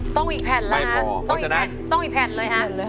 ต้องอีกแผ่นแล้วฮะต้องอีกแผ่นเลยฮะ